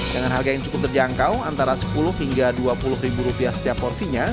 dengan harga yang cukup terjangkau antara sepuluh hingga dua puluh ribu rupiah setiap porsinya